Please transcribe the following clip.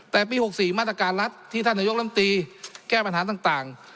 แต่ปี๖๔มาตรการรัฐที่ท่านนายกลำตีแก้ปัญหาต่าง